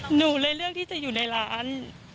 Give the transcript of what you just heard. หนูเลยเลือกที่จะอยู่ในร้าน